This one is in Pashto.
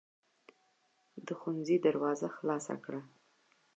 د ښوونځي دروازه خلاصه کړه.